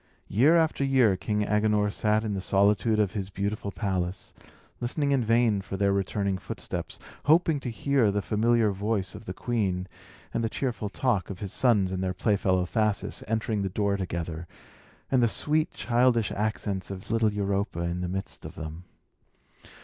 Year after year King Agenor sat in the solitude of his beautiful palace, listening in vain for their returning footsteps, hoping to hear the familiar voice of the queen, and the cheerful talk of his sons and their playfellow Thasus, entering the door together, and the sweet, childish accents of little Europa in the midst of them.